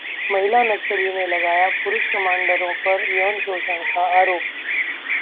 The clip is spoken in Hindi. महिला नक्सली ने लगाया पुरूष कमांडरों पर यौन शोषण का आरोप